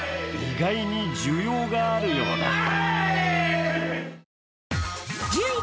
意外に需要があるようだ。